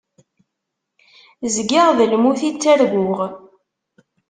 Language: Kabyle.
Zgiɣ d lmut i ttarguɣ.